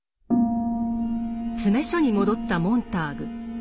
詰所に戻ったモンターグ。